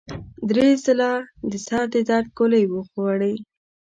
درې ځله د سر د درد ګولۍ وخوړې.